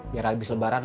biar abis lebaran